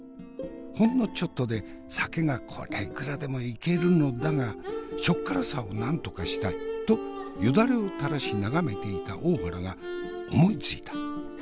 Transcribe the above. ほんのちょっとで酒がこりゃいくらでもいけるのだがしょっからさをなんとかしたい。とよだれを垂らし眺めていた大原が思いついた！